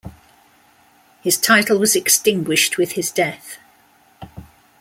His title was extinguished with his death.